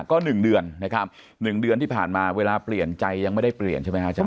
ก็๑เดือนนะครับ๑เดือนที่ผ่านมาเวลาเปลี่ยนใจยังไม่ได้เปลี่ยนใช่ไหมครับอาจาร